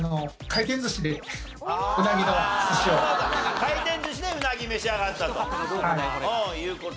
回転寿司でうなぎ召し上がったという事。